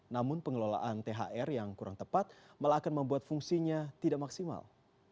namun pengelolaan thr yang kurang tepat malah akan membuat fungsinya tidak maksimal